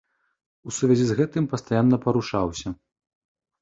У сувязі з гэтым пастаянна парушаўся.